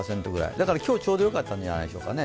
だから今日、ちょうどよかったんじゃないでしょうかね。